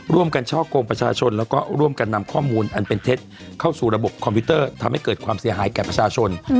ช่อกงประชาชนแล้วก็ร่วมกันนำข้อมูลอันเป็นเท็จเข้าสู่ระบบคอมพิวเตอร์ทำให้เกิดความเสียหายแก่ประชาชน